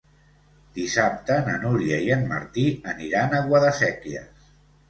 Dissabte na Núria i en Martí aniran a Guadasséquies.